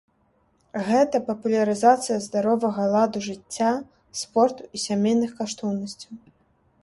Гэта папулярызацыя здаровага ладу жыцця, спорту і сямейных каштоўнасцяў.